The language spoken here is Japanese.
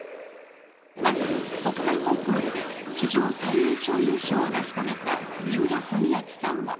まず国際コンクールで史上最年少優勝を成し遂げた三浦文彰さんは。